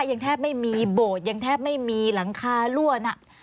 ยังแทบไม่มีโบสถ์ยังแทบไม่มีหลังคารั่วน่ะ